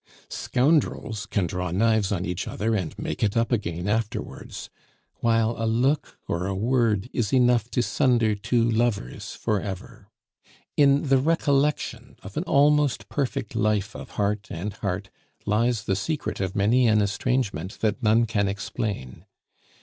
Scoundrels can draw knives on each other and make it up again afterwards, while a look or a word is enough to sunder two lovers for ever. In the recollection of an almost perfect life of heart and heart lies the secret of many an estrangement that none can explain.